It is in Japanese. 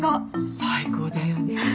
最高だよね。